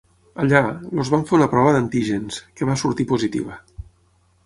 Allà, els van fer una prova d’antígens, que va sortir positiva.